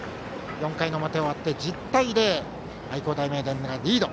４回の表終わって１０対０愛工大名電がリード。